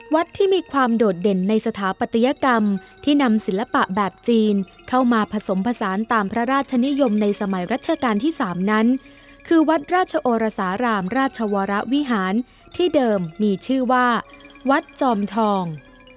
วัดที่มีความโดดเด่นในสถาปัตยกรรมที่นำศิลปะแบบจีนเข้ามาผสมผสานตามพระราชนิยมในสมัยรัชกาลที่๓นั้นคือวัดราชโอรสารามราชวรวิหารที่เดิมมีชื่อว่าวัดจอมทอง